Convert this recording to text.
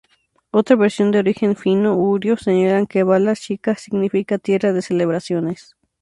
Otra versión de origen fino-ugrio señalan que "Bala-Shika" significa "Tierra de celebraciones".